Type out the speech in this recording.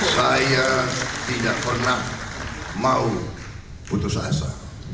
saya tidak pernah mau putus asa